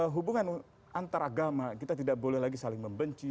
hubungan antaragama kita tidak boleh lagi saling membenci